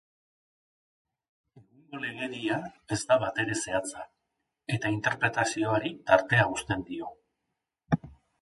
Egungo legedia ez da batere zehatza, eta interpretazioari tartea uzten dio.